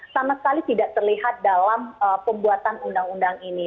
sama sekali tidak terlihat dalam pembuatan undang undang ini